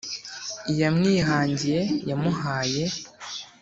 iyamwihangiye yamuhaye